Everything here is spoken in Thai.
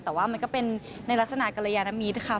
แต่ว่ามันก็เป็นในลักษณะกรยานมิตรค่ะ